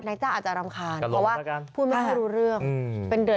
นายจ้าอาจจะรำคาญเพราะว่าพูดไม่ค่อยรู้เรื่อง